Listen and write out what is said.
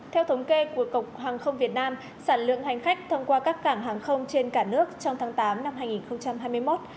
theo thống kê của cục hàng không việt nam sản lượng hành khách thông qua các cảng hàng không trên cả nước trong tháng tám năm hai nghìn hai mươi một